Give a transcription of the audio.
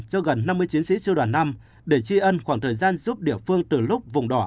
cho gần năm mươi chiến sĩ sư đoàn năm để tri ân khoảng thời gian giúp địa phương từ lúc vùng đỏ